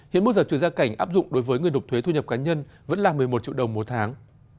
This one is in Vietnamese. hiện mức giảm trừ gia cảnh áp dụng đối với người nộp thuế thu nhập cá nhân vẫn là một mươi một triệu đồng một tháng